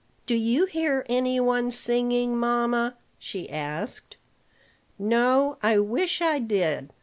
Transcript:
"Do you hear any one singing, mamma?" she asked. "No: I wish I did."